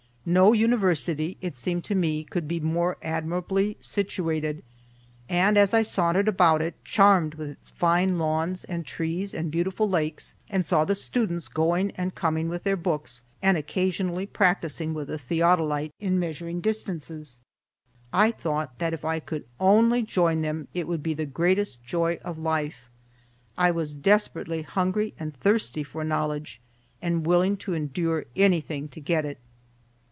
No University, it seemed to me, could be more admirably, situated, and as I sauntered about it, charmed with its fine lawns and trees and beautiful lakes, and saw the students going and coming with their books, and occasionally practising with a theodolite in measuring distances, I thought that if I could only join them it would be the greatest joy of life. I was desperately hungry and thirsty for knowledge and willing to endure anything to get it.